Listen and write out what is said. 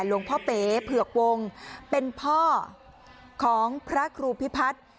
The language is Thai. หลวงพ่อเป๋เผือกวงเป็นพ่อของพระครูพิพัฒน์